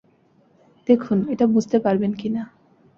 দেখুন, এটা বুঝতে পারেন কি না।